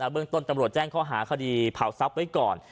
เบื้องต้นตำรวจแจ้งข้อหาคดีเผาทรัพย์ไว้ก่อน